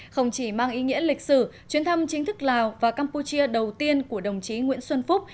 không chỉ mang ý nghĩa lịch sử chuyến thăm chính thức lào và campuchia đầu tiên của đồng chí nguyễn xuân phúc